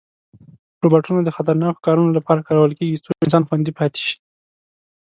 روباټونه د خطرناکو کارونو لپاره کارول کېږي، څو انسان خوندي پاتې شي.